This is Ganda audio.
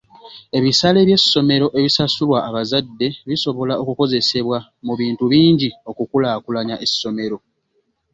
Ebisale by'essomero ebisasulwa abazadde bisobola okukozesebwa mu bintu bingi okukulaakulanya essomero.